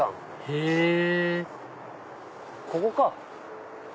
へぇここか。